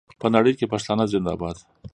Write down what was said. په نړۍ کې پښتانه زنده باد.